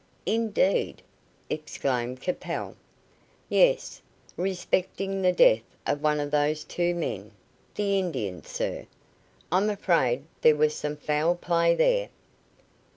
"Indeed!" exclaimed Capel. "Yes. Respecting the death of one of those two men the Indian, sir. I'm afraid there was some foul play there."